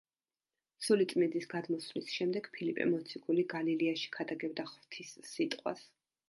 სულიწმინდის გადმოსვლის შემდეგ ფილიპე მოციქული გალილეაში ქადაგებდა ღვთის სიტყვას.